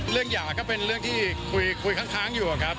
เรื่องหย่าก็เป็นเรื่องที่คุยครั้งอยู่อะครับ